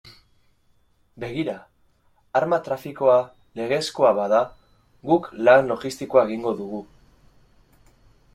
Begira, arma trafikoa legezkoa bada, guk lan logistikoa egingo dugu.